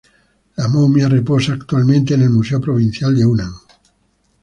La momia reposa actualmente en el Museo Provincial de Hunan.